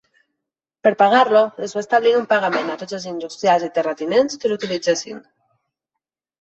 Per pagar-lo es va establir un pagament a tots els industrials i terratinents que l'utilitzessin.